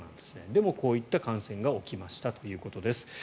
でも、こういった感染が起きましたということです。